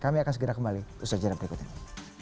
kami akan segera kembali di sejenis berikutnya